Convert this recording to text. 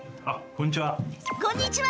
こんにちは。